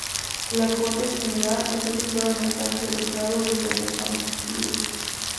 La corte general está situada en la Casa de Estado de Nuevo Hampshire.